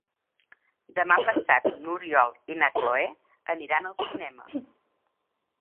Demà passat n'Oriol i na Cloè aniran al cinema.